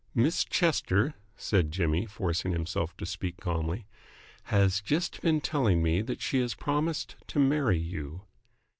"Miss Chester," said Jimmy, forcing himself to speak calmly, "has just been telling me that she has promised to marry you."